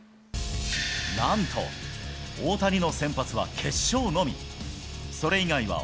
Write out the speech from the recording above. なんと、大谷の先発は決勝のみ。